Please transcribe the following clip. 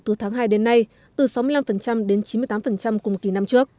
từ tháng hai đến nay từ sáu mươi năm đến chín mươi tám cùng kỳ năm trước